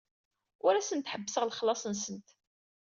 Ur asent-ḥebbseɣ lexlaṣ-nsent.